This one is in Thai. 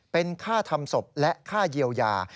เป็นค่าทำศพและค่าเยียวยา